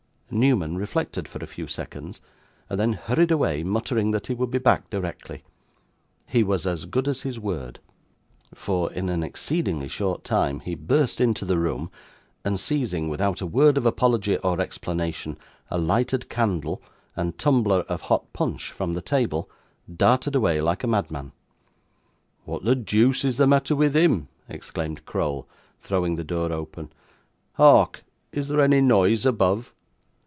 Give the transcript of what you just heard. Newman reflected for a few seconds, and then hurried away, muttering that he would be back directly. He was as good as his word; for, in an exceedingly short time, he burst into the room, and seizing, without a word of apology or explanation, a lighted candle and tumbler of hot punch from the table, darted away like a madman. 'What the deuce is the matter with him?' exclaimed Crowl, throwing the door open. 'Hark! Is there any noise above?